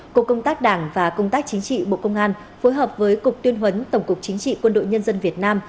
cục công tác đảng và công tác chính trị bộ công an phối hợp với cục tuyên huấn tổng cục chính trị quân đội nhân dân việt nam